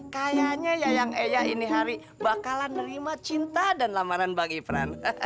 kayanya yayang eya ini hari bakalan nerima cinta dan lamaran bang iprand